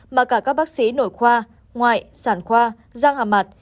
mà cả các bác sĩ nổi khoa ngoại sản khoa giang hàm mạt